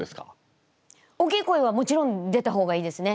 おっきい声はもちろん出た方がいいですね。